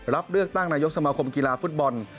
รับเลือกตั้งนายกสมาคมกีฬาฟุตบอล